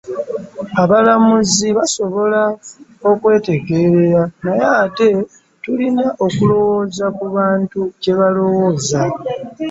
“Abalamuzi basobola okwetegeerera naye ate tulina okulowooza ku bantu kye balowooza"